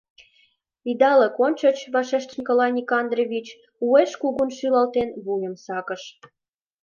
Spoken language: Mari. — Идалык ончыч, — вашештыш Николай Никандрович, уэш кугун шӱлалтен, вуйым сакыш.